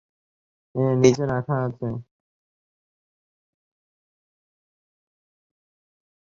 হ্যাঁ, নিচে রাখা আছে।